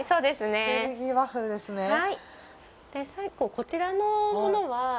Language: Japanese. こちらのものは。